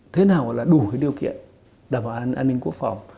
thế nào là đủ cái điều kiện đảm bảo an ninh quốc phòng